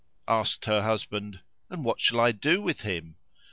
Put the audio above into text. Asked her husband, "And what shall I do with him?"